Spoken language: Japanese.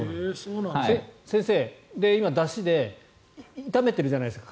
先生、今、だしで炒めてるじゃないですか。